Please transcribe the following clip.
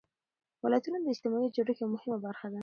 ولایتونه د اجتماعي جوړښت یوه مهمه برخه ده.